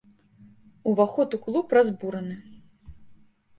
Уваход у клуб разбураны.